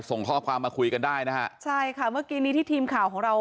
ส่งข้อความมาคุยกันได้นะฮะใช่ค่ะเมื่อกี้นี้ที่ทีมข่าวของเรา